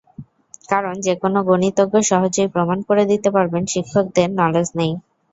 কারণ, যেকোনো গণিতজ্ঞ সহজেই প্রমাণ করে দিতে পারবেন শিক্ষকদের নলেজ নেই।